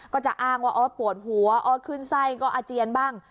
ก็จะอ้างว่าอ๋อปวดหัวขึ้นไส้ก็อาเจียนบ้าง